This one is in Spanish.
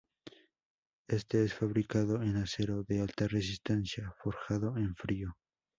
Éste es fabricado en acero de alta resistencia, forjado en frío.